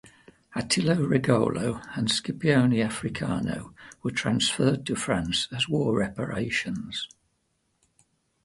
"Attilo Regolo" and "Scipione Africano" were transferred to France as war reparations.